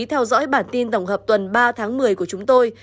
theo dõi bản tin tổng hợp tuần ba tháng một mươi của chúng tôi